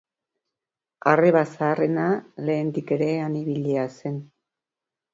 Arreba zaharrena lehendik ere han ibilia zen.